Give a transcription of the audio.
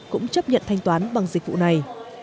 cũng chấp nhận thanh toán bằng dịch vụ này